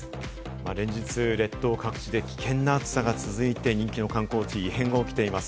連日、列島各地で危険な暑さが続いて人気の観光地、異変が起きています。